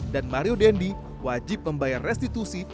dan mario dendi wajib membayar restitusi